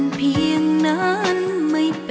อินโทรเพลงที่๓มูลค่า๔๐๐๐๐บาทมาเลยครับ